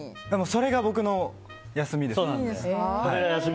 それが僕の休みですね。